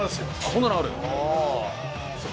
こんなのある？